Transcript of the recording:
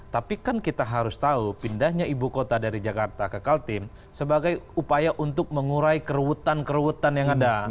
tapi kan kita harus tahu pindahnya ibu kota dari jakarta ke kaltim sebagai upaya untuk mengurai keruutan keruutan yang ada